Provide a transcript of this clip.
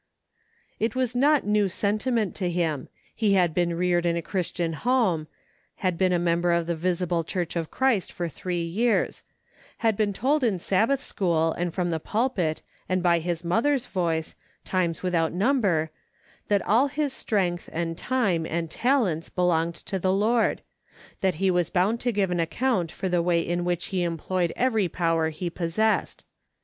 It was not new sentiment to him. He had been reared in a Christian home, had been a mem ber of the visible Church of Christ for three years ; had been told in Sabbath school and from the pul 48 OPPORTUNITY. pit, and by his mother's voice, times without num ber, that all his strength, and time, and talents belonged to the Lord ; that he was bound to give account for the way in which he employed every power he possessed.